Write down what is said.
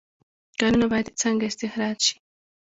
کانونه باید څنګه استخراج شي؟